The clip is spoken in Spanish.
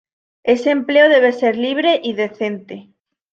Ese empleo debe ser libre y decente.